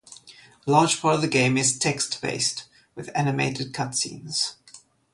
A large part of the game is text based with animated cutscenes.